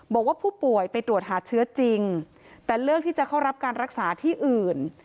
บอกว่าผู้ป่วยไปตรวจหาเชื้อจริงแต่เลือกที่จะเข้ารับการรักษาที่อื่น